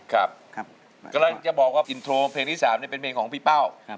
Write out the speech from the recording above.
กำลังจะบอกว่าอินโทรเพลงที่๓นี่เป็นเพลงของพี่เป้า